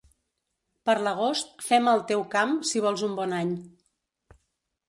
Per l'agost fema el teu camp si vols un bon any.